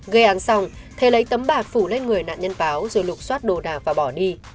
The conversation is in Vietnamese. gây án xong thế lấy tấm bạt phủ lên người nạn nhân báo rồi lục xoát đồ đạc và bỏ đi